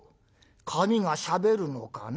紙がしゃべるのかな？